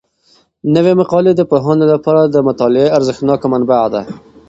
نوي مقالې د پوهانو لپاره د مطالعې ارزښتناکه منبع ده.